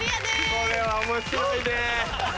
これは面白いね。